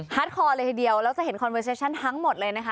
คอเลยทีเดียวแล้วจะเห็นคอนเวอร์เซชั่นทั้งหมดเลยนะคะ